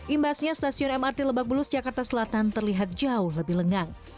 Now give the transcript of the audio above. imbasnya stasiun mrt lebak bulus jakarta selatan terlihat jauh lebih lengang